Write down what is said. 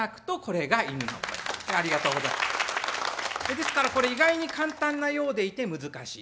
ですからこれ意外に簡単なようでいて難しい。